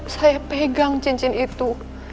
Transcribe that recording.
saya pegang cincin itu